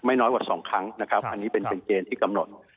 น้อยกว่า๒ครั้งนะครับอันนี้เป็นเกณฑ์ที่กำหนด